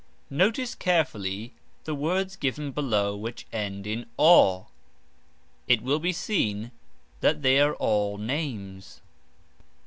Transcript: Notice carefully the words given below which end in "o". It will be seen that they are all names.